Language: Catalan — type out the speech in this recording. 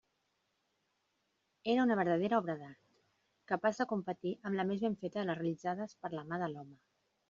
Era una verdadera obra d'art, capaç de competir amb la més ben feta de les realitzades per la mà de l'home.